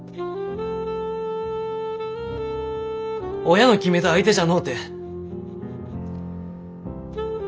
親の決めた相手じゃのうて。